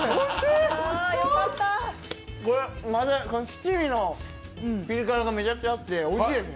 これ、七味のピリ辛がめちゃくちゃ合っておいしいですね。